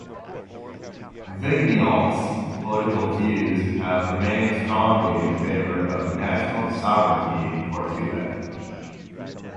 Vigneault's political views have remained strongly in favour of national sovereignty for Quebec.